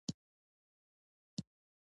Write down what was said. چې ته به د ما ارمان پوره كيې.